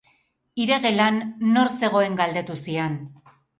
Hire gelan nor zegoen galdetu zian.